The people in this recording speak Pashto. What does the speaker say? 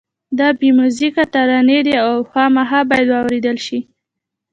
دا بې میوزیکه ترانې دي او خامخا باید واورېدل شي.